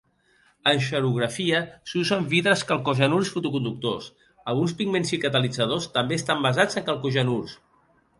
En xerografia s'usen vidres calcogenurs fotoconductors Alguns pigments i catalitzadors també estan basats en calcogenurs.